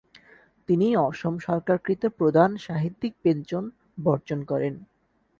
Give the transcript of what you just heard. তিনি অসম সরকারকৃত প্রদান সাহিত্যিক পেঞ্চন বর্জন করেন।